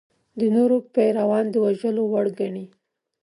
د نورو پیروان د وژلو وړ ګڼي.